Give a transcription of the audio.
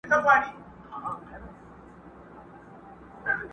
د زمان په لاس کي اوړمه زمولېږم!.